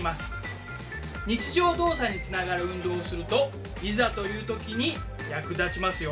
日常動作につながる運動をするといざという時に役立ちますよ。